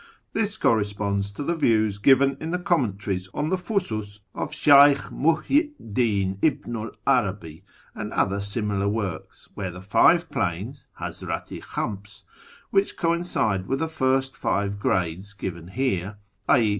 This corre sponds to the views given in the commentaries on the Fusus of Sheykh Muhiyyu 'd Dm ibnu 'l 'Arabi and other similar works, where the " Five Planes " {ITazrdt i kJiams), which coincide with the first five grades given here {i.e.